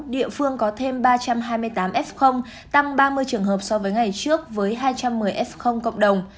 địa phương có thêm ba trăm hai mươi tám f tăng ba mươi trường hợp so với ngày trước với hai trăm một mươi f cộng đồng